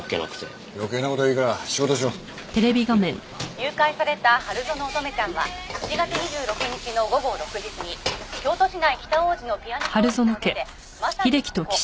「誘拐された春薗乙女ちゃんは７月２６日の午後６時過ぎ京都市内北大路のピアノ教室を出てまさにここ」